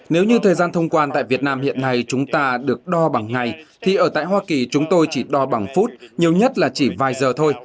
nếu như thời gian thông quan tại việt nam hiện nay chúng ta được đo bằng ngày thì ở tại hoa kỳ chúng tôi chỉ đo bằng phút nhiều nhất là chỉ vài giờ thôi